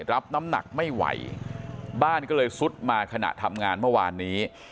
รับน้ำหนักไม่ไหวบ้านก็เลยซุดมาขณะทำงานเมื่อวานนี้